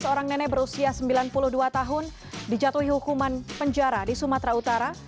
seorang nenek berusia sembilan puluh dua tahun dijatuhi hukuman penjara di sumatera utara